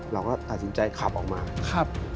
เราก็อาจสินใจขับออกมา